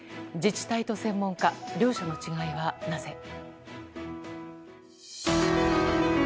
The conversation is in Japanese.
自治体と専門家両者の違いは、なぜ。